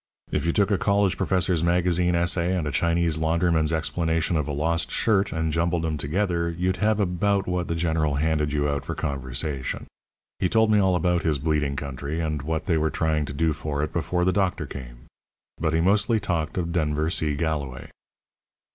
If you took a college professor's magazine essay and a Chinese laundryman's explanation of a lost shirt and jumbled 'em together, you'd have about what the General handed you out for conversation. He told me all about his bleeding country, and what they were trying to do for it before the doctor came. But he mostly talked of Denver C. Galloway.